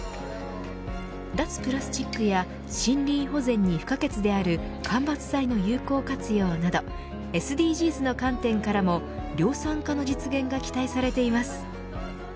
脱プラスチックや森林保全に不可欠である間伐材の有効活用などＳＤＧｓの観点からも量産化の実現が期待されています。